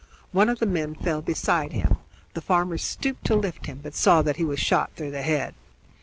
One of the men fell beside him; the farmer stooped to lift him, but saw that he was shot through the head.